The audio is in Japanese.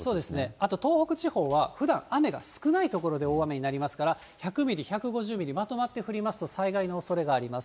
あと、東北地方はふだん、雨が少ない所で大雨になりますから、１００ミリ、１５０ミリ、まとまって降りますと、災害のおそれがあります。